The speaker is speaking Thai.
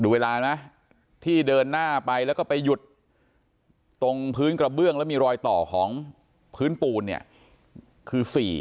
เวลานะที่เดินหน้าไปแล้วก็ไปหยุดตรงพื้นกระเบื้องแล้วมีรอยต่อของพื้นปูนเนี่ยคือ๔